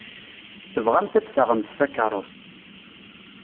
Tebɣamt ad d-taɣemt takeṛṛust.